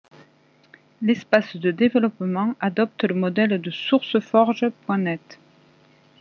L'espace de développement adopte le modèle de SourceForge.net.